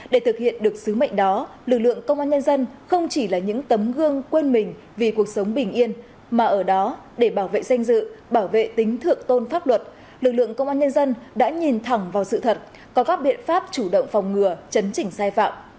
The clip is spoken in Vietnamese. để thực hiện được sứ mệnh đó lực lượng công an nhân dân không chỉ là những tấm gương quên mình vì cuộc sống bình yên mà ở đó để bảo vệ danh dự bảo vệ tính thượng tôn pháp luật lực lượng công an nhân dân đã nhìn thẳng vào sự thật có các biện pháp chủ động phòng ngừa chấn chỉnh sai phạm